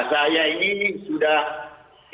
saya ini sudah